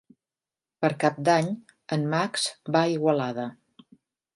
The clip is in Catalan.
Per Cap d'Any en Max va a Igualada.